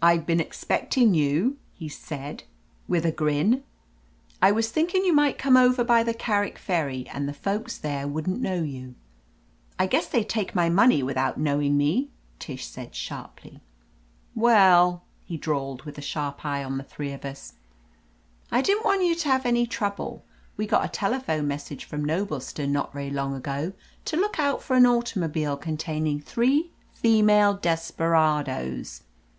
IVe been expectin' you," he said, with a 282 «T> J OF LETITIA CARBERRY grin. "I was thinkin* you might come over by the Carrick Ferry, and the folks there wouldn't know you." "I guess they'd take my money without i knowing me," Tish said sharply. "Well," he drawled, with a sharp eye on the three of us, "I didn't want you to have any trouble. We got a telephone message from Noblestown not very long ago to look out for an automobile containing three female des^ peradoes.